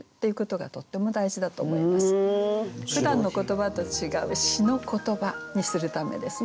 ふだんの言葉と違う「詩の言葉」にするためですね。